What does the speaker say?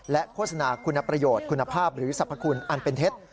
โฆษณาคุณประโยชน์คุณภาพหรือสรรพคุณอันเป็นเท็จ